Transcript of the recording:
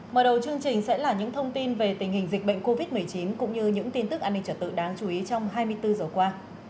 mở đầu chương trình sẽ là những thông tin về tình hình dịch bệnh covid một mươi chín cũng như những tin tức an ninh trở tự đáng chú ý trong hai mươi bốn giờ qua